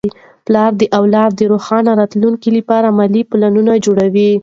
پلار د اولاد د روښانه راتلونکي لپاره مالي پلانونه جوړوي.